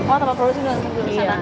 oh tempat produksi di lantai dua sana